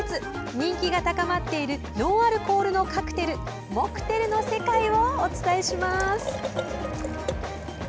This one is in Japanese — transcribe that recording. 人気が高まっているノンアルコールのカクテルモクテルの世界をお伝えします。